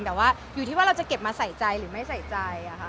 แต่ว่าอยู่ที่ว่าเราจะเก็บมาใส่ใจหรือไม่ใส่ใจค่ะ